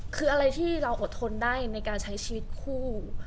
คืออะไรที่เราอดทนได้ในการใช้ชีวิตคู่